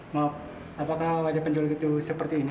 maaf apakah wajah penjual gitu seperti ini